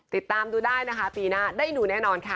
ติดตามดูได้นะคะปีหน้าได้ดูแน่นอนค่ะ